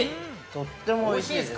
◆とってもおいしいです。